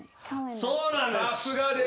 そうなんです！